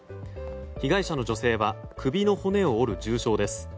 被害者の女性は首の骨を折る重傷です。